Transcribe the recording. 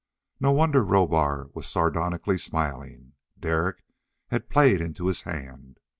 No wonder Rohbar was sardonically smiling! Derek had played into his hand.